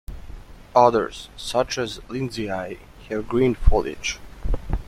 Others, such as 'Lindsayae', have green foliage.